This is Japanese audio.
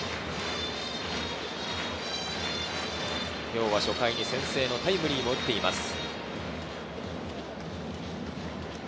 今日は初回に先制のタイムリーを打っています。